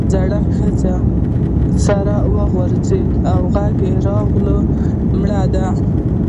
زړې ښځې سر وځړېد او غږ راغی مړه ده.